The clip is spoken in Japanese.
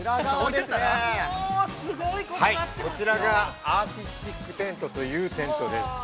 ◆こちらがアーティスティックテントというテントです。